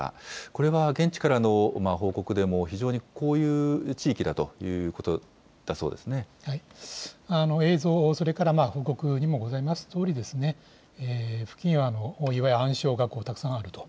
これは現地からの報告でも、非常にこういう地域だということだそ映像、それから報告にもございますとおり、付近は岩や暗礁がたくさんあると。